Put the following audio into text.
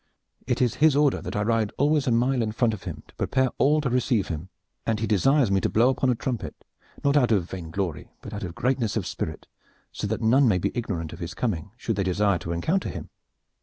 It is his order that I ride always a mile in front of him to prepare all to receive him, and he desires me to blow upon a trumpet not out of vainglory, but out of greatness of spirit, so that none may be ignorant of his coming should they desire to encounter him."